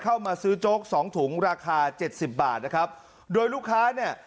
เข้ามาซื้อโจ๊กสองถุงราคาเจ็ดสิบบาทนะครับโดยลูกค้าเนี่ย